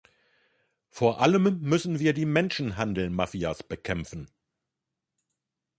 Vor allem müssen wir die Menschenhandelmafias bekämpfen.